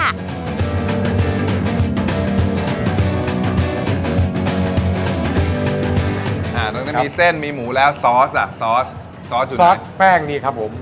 อ่าตรงนั้นมีเส้นมีหมูแล้วซอสอ่ะซอสซอสซอสแป้งนี้ครับผม